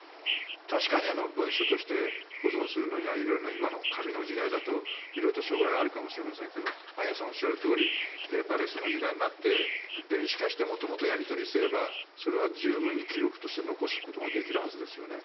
確かに文書として保存するのには紙の時代だと色々と障害があるかもしれないですが萩谷さんがおっしゃるとおりペーパーレスの時代になって電子化して元々やり取りすればそれは十分に記録として残すことはできるはずですよね。